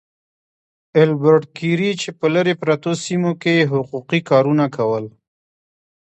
ايلبرټ ګيري چې په لرې پرتو سيمو کې يې حقوقي کارونه کول.